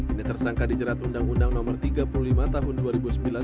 ini tersangka dijerat undang undang no tiga puluh lima tahun dua ribu sembilan